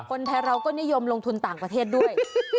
คนไทยเราก็นิยมลงทุนต่างประเทศด้วย